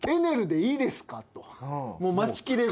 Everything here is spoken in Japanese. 待ちきれず。